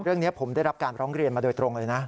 เรื่องนี้ผมได้รับการร้องเรียนมาโดยตรงเลยนะ